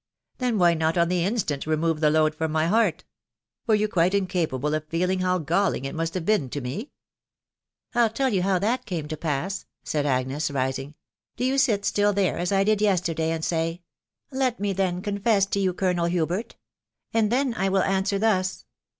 " Then why not on the instant remove the load from my heart ?.... were you quite incapable of feeling how galling it must have been to me ?"" I'll tell you how that came to pass/* said Agnes, rising. ...." Do you sit still there, as I did yesterday, and ssy, ' Let me then confess to you, Colonel Hubert,' .... and then I will answer thus